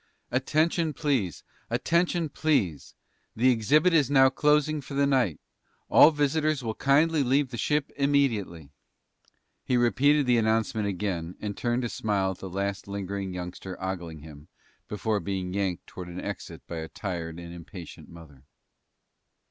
"Attention, please! Attention, please! The exhibit is now closing for the night. All visitors will kindly leave the ship immediately." He repeated the announcement again and turned to smile at the last lingering youngster ogling him before being yanked toward an exit by a tired and impatient mother.